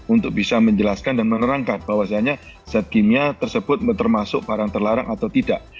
untuk bisa menjelaskan dan menerangkan bahwasannya zat kimia tersebut termasuk barang terlarang atau tidak